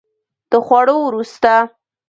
د خوړو وروسته